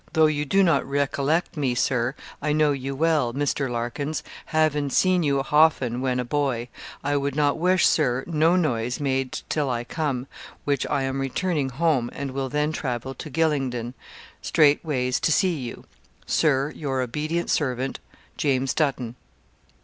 Though you do not rekelect me, Sir, I know you well, Mr. Larkins, haven seen you hoffen when a boy. I wud not wish, Sir, no noise made till I cum which I am returning hoame, and will then travel to Gylingden strateways to see you. Sir, your obedient servant, 'JAMES DUTTON.'